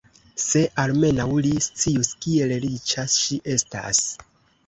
Se almenaŭ li scius, kiel riĉa ŝi estas!